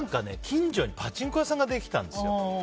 近所にパチンコ屋さんができたんですよ。